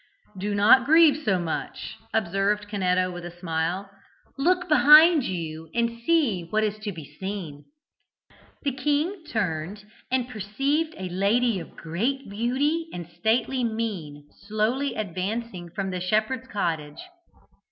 "Do not grieve so much," observed Canetto with a smile; "look behind you and see what is to be seen." The king turned and perceived a lady of great beauty and stately mien slowly advancing from the shepherd's cottage.